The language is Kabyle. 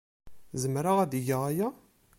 Zemreɣ ad geɣ aya?